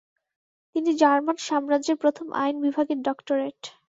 তিনি জার্মান সাম্রাজ্যের প্রথম আইন বিভাগের ডক্টরেট।